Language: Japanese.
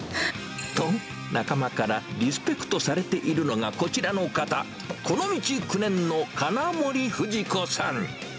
と、仲間からリスペクトされているのがこちらの方、この道９年の金森富士子さん。